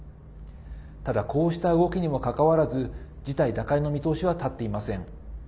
ただこうした動きにもかかわらず事態打開の見通しは立っていません。